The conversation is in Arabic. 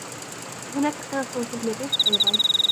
هناك قطط في المريخ أيضًا.